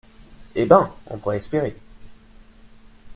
Eh ben ! on pourrait espérer.